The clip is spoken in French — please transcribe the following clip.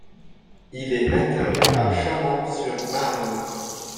Il est interné à Châlons-sur-Marne.